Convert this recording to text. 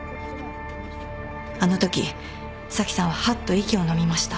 あのとき紗季さんははっと息をのみました。